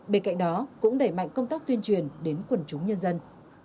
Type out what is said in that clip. bên cạnh đó cũng đẩy mạnh công tác tuyên truyền đến quần chúng nhân dân